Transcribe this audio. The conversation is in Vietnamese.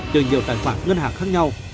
từ nhiều tài khoản ngân hàng khác nhau